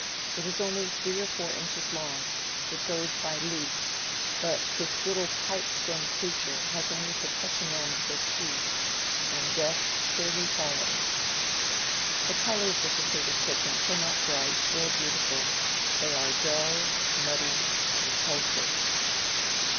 It is only three or four inches long, it goes by leaps ; but this little pipe stem crea ture has only to touch a man with his tooth and death surely follows. The colours of the fatal serpents are not bright or beauti ful ; they are dull, muddy, repulsive.